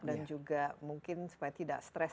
dan juga mungkin supaya tidak stress